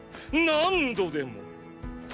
何度でも！